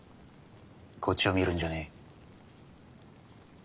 こっちを見るんじゃねえ。